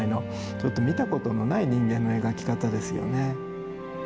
ちょっと見たことのない人間の描き方ですよね。